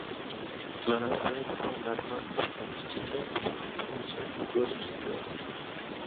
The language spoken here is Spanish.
Clara Fey fue una alma Eucarística, como queremos serlo todas sus seguidoras.